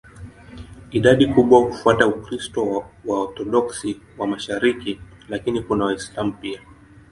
Idadi kubwa hufuata Ukristo wa Waorthodoksi wa mashariki, lakini kuna Waislamu pia.